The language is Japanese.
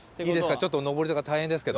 ちょっと上り坂大変ですけど。